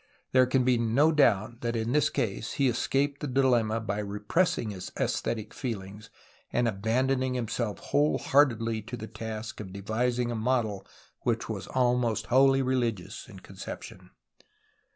There can be no doubt that in this case he escaped the dilemma by repressing his {Esthetic feelings and abandoning himself whole heartedly to the task of devising a model which was almost wholly religious in con ception.